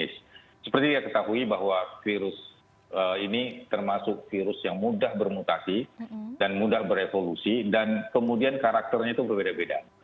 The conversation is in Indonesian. seperti kita ketahui bahwa virus ini termasuk virus yang mudah bermutasi dan mudah berevolusi dan kemudian karakternya itu berbeda beda